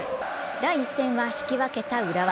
第１戦は引き分けた浦和。